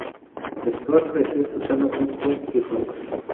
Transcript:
Stuart creció escuchando hip hop y rock.